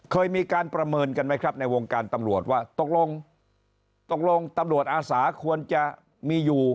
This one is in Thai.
เคยมีการประเมินกันไหมครับในวงการตำรวจว่าตกลงตกลงตำรวจอาสาควรจะมีอยู่